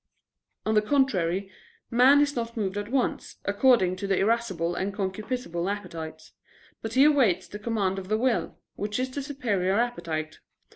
On the contrary, man is not moved at once, according to the irascible and concupiscible appetites: but he awaits the command of the will, which is the superior appetite.